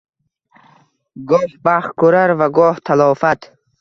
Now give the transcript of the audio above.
Goh baxt koʼrar va goh talofat.